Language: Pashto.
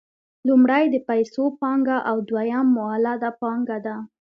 لومړی د پیسو پانګه او دویم مولده پانګه ده